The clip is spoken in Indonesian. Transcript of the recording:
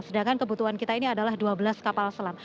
sedangkan kebutuhan kita ini adalah dua belas kapal selam